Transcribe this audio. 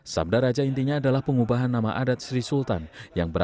sabda raja intinya adalah pengubahan nama adat sri sultan